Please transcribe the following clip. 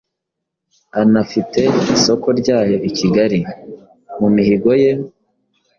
anafite isoko ryayo i Kigali. Mu mihigo ye,